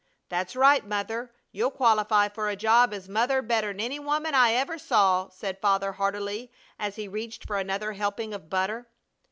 "That's right, Mother, you'll qualify for a job as mother better 'n any woman I ever saw!" said Father, heartily, as he reached for another helping of butter.